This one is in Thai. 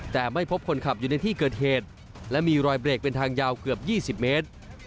แต่ไม่พบคนขับอยู่ในที่เกิดเหตุและมีรอยเบรกเป็นทางยาวเกือบ๒๐เมตร